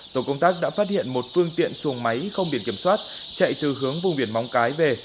tổ công tác đã phát hiện một phương tiện xuồng máy không biển kiểm soát chạy từ hướng vùng biển móng cái về